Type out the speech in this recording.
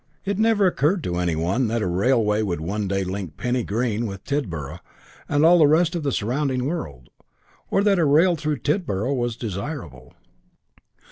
It never occurred to any one that a railway would one day link Penny Green with Tidborough and all the rest of the surrounding world, or that a railway to Tidborough was desirable.